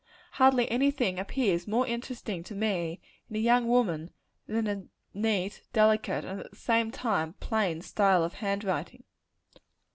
Hardly any thing appears more interesting to me, in a young woman, than a neat, delicate, and at the same time plain style of hand writing.